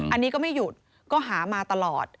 อันนี้ก็ไม่หยุดก็หามาตลอด